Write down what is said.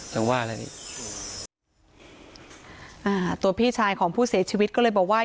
แต่ว่าอะไรนี่อ่าตัวพี่ชายของผู้เสียชีวิตก็เลยบอกว่า